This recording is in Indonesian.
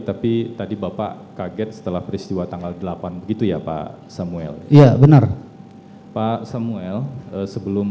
tapi tadi bapak kaget setelah peristiwa tanggal delapan begitu ya pak samuel ya benar pak samuel sebelum